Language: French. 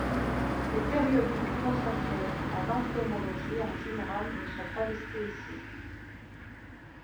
Les périodiques consacrés à l'entomologie en général ne sont pas listés ici.